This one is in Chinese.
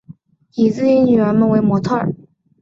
以自己女儿们为模特儿